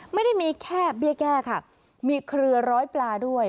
ไม่ได้มีแค่เบี้ยแก้ค่ะมีเครือร้อยปลาด้วย